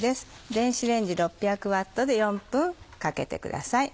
電子レンジ６００Ｗで４分かけてください。